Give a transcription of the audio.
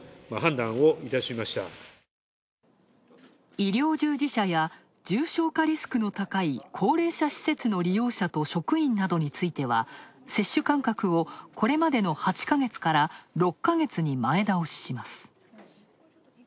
医療従事者や重症化リスクの高い高齢者施設の利用者と職員などについては接種間隔を、これまでの８か月から６か月に前倒しします。